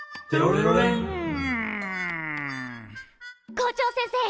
校長先生！